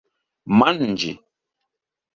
manĝi